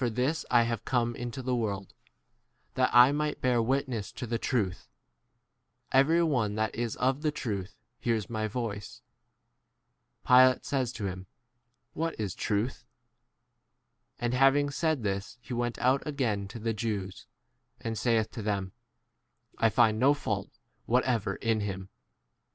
E. adds Iva. JOHN XVIII, XIX. have come into the world, that I might bear witness to the truth. Every one that is of the truth 88 hears my voice. Pilate says to him, What is truth ? And hav ing said this he went out again to the Jews, and saith to them, I ■ find no fault whatever in him.